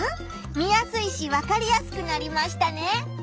見やすいしわかりやすくなりましたね。